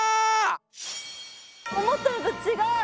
思ったのと違う。